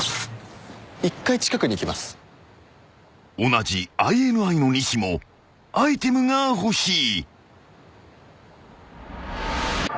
［同じＩＮＩの西もアイテムが欲しい］